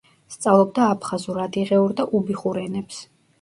სწავლობდა აფხაზურ, ადიღეურ და უბიხურ ენებს.